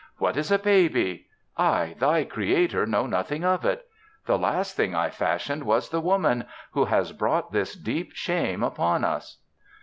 What is a baby? I, thy Creator, know nothing of it. The last thing I fashioned was the Woman, who has brought this deep shame upon Us."